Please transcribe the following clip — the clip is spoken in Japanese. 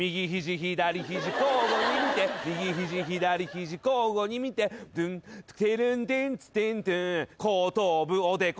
左ひじ交互に見て右ひじ左ひじ交互に見てドゥンテルンテンツテントゥン後頭部おでこ